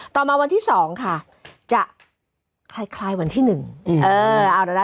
ต่อมาวันที่สองค่ะคล้ายคล้ายวันที่หนึ่งอืมเออเอาละนะ